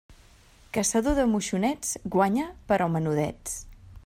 Caçador de moixonets, guanya, però menudets.